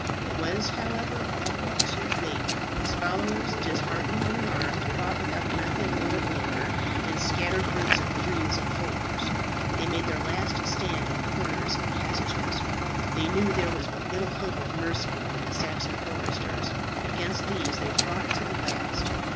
It was, however, all too late: his followers, disheartened and alarmed, fought without method or order in scattered groups of threes and fours. They made their last stand in corners and passages. They knew there was but little hope of mercy from the Saxon foresters, and against these they fought to the last.